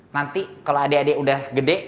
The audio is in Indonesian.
nanti kalau adik adik udah gede